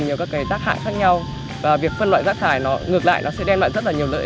nhiều các cái tác hại khác nhau và việc phân loại rác thải nó ngược lại nó sẽ đem lại rất là nhiều lợi